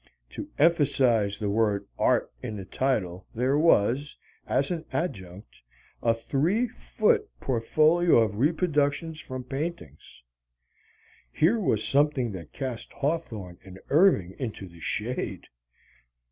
To emphasize the word Art in the title there was, as an adjunct, a three foot portfolio of reproductions from paintings. Here was something that cast Hawthorne and Irving into the shade.